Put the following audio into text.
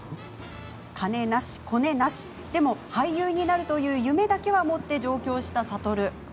金なし、コネなしでも、俳優になるという夢だけは持って上京した諭。